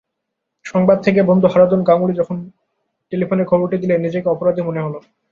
সংবাদ থেকে বন্ধু হারাধন গাঙ্গুলি যখন টেলিফোনে খবরটি দিলেন, নিজেকে অপরাধী মনে হলো।